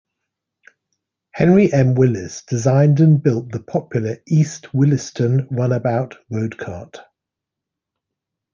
Henry M. Willis designed and built the popular East Williston Runabout Roadcart.